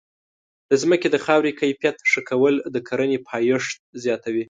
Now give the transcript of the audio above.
د ځمکې د خاورې کیفیت ښه کول د کرنې پایښت زیاتوي.